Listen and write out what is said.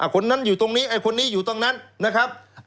คนนั้นอยู่ตรงนี้ไอ้คนนี้อยู่ตรงนั้นนะครับ